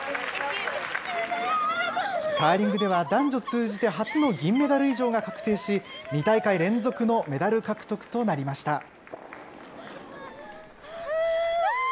カーリングでは男女通じて初の銀メダル以上が確定し、２大会連続のメダル獲得となりました。